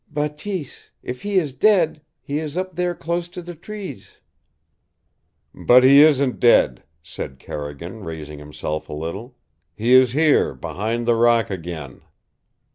"Bateese if he is dead he is up there close to the trees." "But he isn't dead," said Carrigan, raising himself a little. "He is here, behind the rock again!"